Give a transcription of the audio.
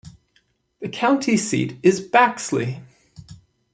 The county seat is Baxley.